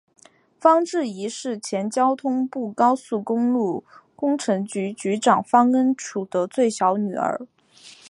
方智怡是前交通部高速公路工程局局长方恩绪的最小的女儿。